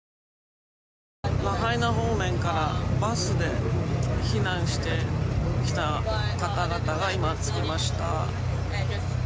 ラハイナ方面からバスで避難してきた方々が今、着きました。